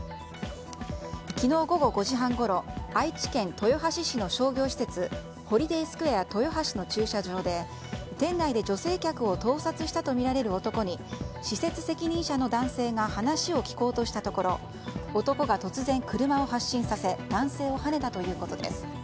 昨日午後５時半ごろ愛知県豊橋市の商業施設ホリデイ・スクエア豊橋の駐車場で店内で女性客を盗撮したとみられる男に施設責任者の男性が話を聞こうとしたところ男が突然車を発進させ男性をはねたということです。